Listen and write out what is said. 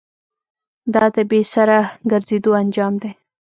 دا د بې سره گرځېدو انجام دی.